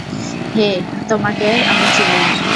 হে তোমাকে আমি চিনি।